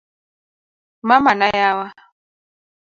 mama na yawa